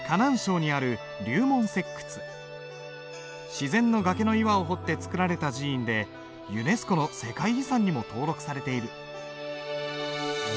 自然の崖の岩を掘って造られた寺院でユネスコの世界遺産にも登録されている。